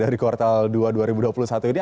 dari kuartal dua dua ribu dua puluh satu ini